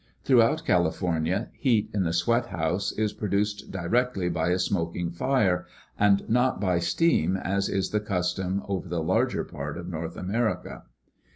Throughout California heat in the sweat hous^ is produced directly by a smoking fire, and not by steam as is the custom over the larger part of North America.